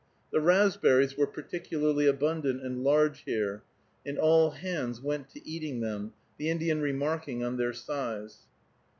The raspberries were particularly abundant and large here, and all hands went to eating them, the Indian remarking on their size.